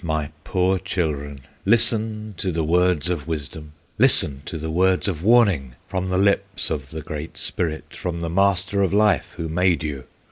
my poor children! Listen to the words of wisdom, Listen to the words of warning, From the lips of the Great Spirit, From the Master of Life, who made you!